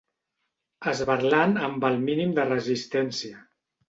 Esberlant amb el mínim de resistència.